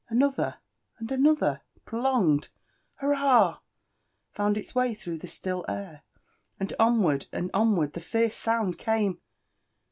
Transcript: Another and anolht'r prolonged "hurrahl" fonnd ilsway Ihrough the still air, and onward and onward Ihe fierce sound came.